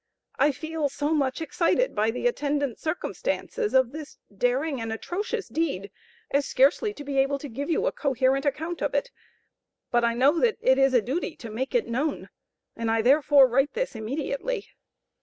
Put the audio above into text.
I feel so much excited by the attendant circumstances of this daring and atrocious deed, as scarcely to be able to give you a coherent account of it, but I know that it is a duty to make it known, and, I therefore write this immediately.